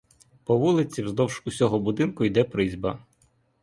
По вулиці вздовж усього будинку йде призьба.